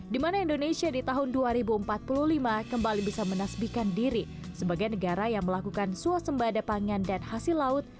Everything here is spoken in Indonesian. di mana indonesia di tahun dua ribu empat puluh lima kembali bisa menasbikan diri sebagai negara yang melakukan suasembada pangan dan hasil laut